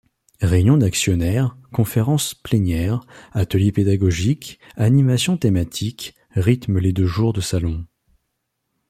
Réunions d'actionnaires, conférences plénières, ateliers pédagogiques, animations thématiques, rythment les deux jours de salon.